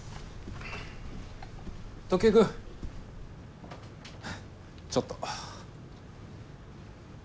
時江君ちょっと。